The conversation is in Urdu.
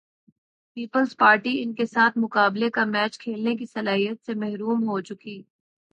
پیپلز پارٹی ان کے ساتھ مقابلے کا میچ کھیلنے کی صلاحیت سے محروم ہو چکی۔